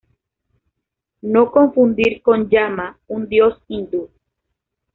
No confundir con Yama, un dios hindú.